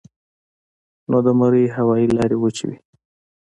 نو د مرۍ هوائي لارې وچې وي